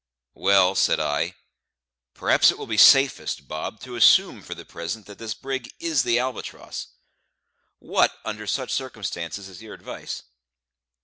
"Well," said I, "perhaps it will be safest, Bob, to assume for the present that this brig is the Albatross. What, under such circumstances, is your advice?"